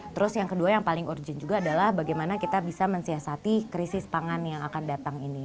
terus yang kedua yang paling urgent juga adalah bagaimana kita bisa mensiasati krisis pangan yang akan datang ini